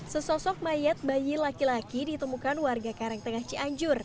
sesosok mayat bayi laki laki ditemukan warga karangtengah cianjur